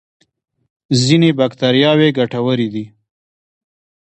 ځینې بکتریاوې ګټورې دي